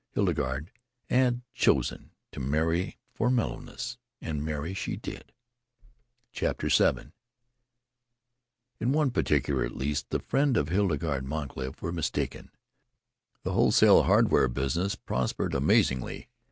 Hildegarde had chosen to marry for mellowness, and marry she did.... VII In one particular, at least, the friends of Hildegarde Moncrief were mistaken. The wholesale hardware business prospered amazingly.